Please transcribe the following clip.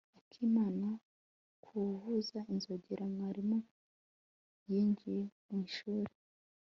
akimara kuvuza inzogera mwarimu yinjiye mu ishuri